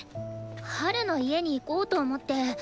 ハルの家に行こうと思って。